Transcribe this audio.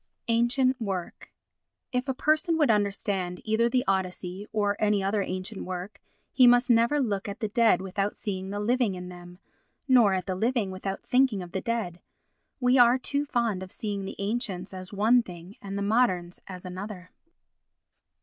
Ancient Work If a person would understand either the Odyssey or any other ancient work, he must never look at the dead without seeing the living in them, nor at the living without thinking of the dead. We are too fond of seeing the ancients as one thing and the moderns as another.